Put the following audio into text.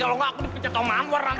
kalau gak aku dipecat sama amwar nanti